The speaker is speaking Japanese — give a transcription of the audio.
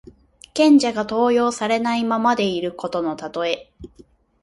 賢者が登用されないままでいることのたとえ。